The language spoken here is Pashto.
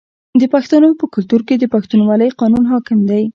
د پښتنو په کلتور کې د پښتونولۍ قانون حاکم دی.